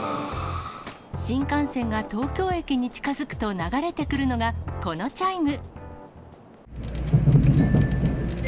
新幹線が東京駅に近づくと、流れてくるのがこのチャイム。